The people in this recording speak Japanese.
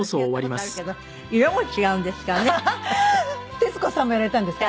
徹子さんもやられたんですか？